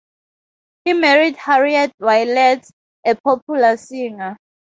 He married Harriet Waylett, a popular singer.